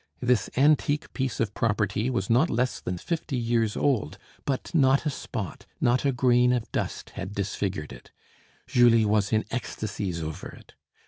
This antique piece of property was not less than fifty years old; but not a spot, not a grain of dust had disfigured it; Julie was in ecstasies over it.